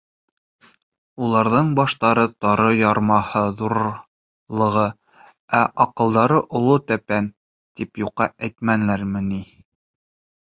Уларҙың баштары тары ярмаһы ҙурлығы, ә аҡылдары оло тәпән, тип юҡҡа әйтәләрме ни.